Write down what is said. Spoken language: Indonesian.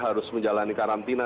harus menjalani karantina